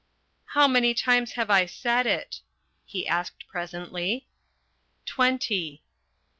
"How many times have I said it?" he asked presently. "Twenty."